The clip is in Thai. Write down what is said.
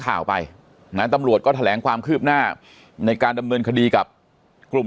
ข่าวไปนะตำรวจก็แถลงความคืบหน้าในการดำเนินคดีกับกลุ่ม